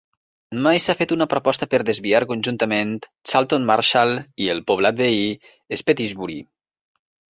Mai s"ha fet una proposta per desviar conjuntament Charlton Marshall i el poblat veí Spetisbury.